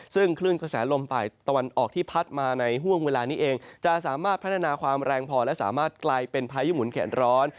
ซึ่งคลื่นกระแสลมฝ่ายตะวันออกที่พัดมาในห่วงเวลานี้เองจะสามารถพัฒนาความแรงพอและสามารถกลายเป็นพายุหมุนแขนร้อน